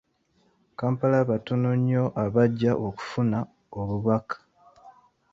Kampala batono nnyo abajja okufuna obubaka.